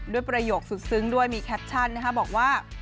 ประโยคสุดซึ้งด้วยมีแคปชั่นบอกว่า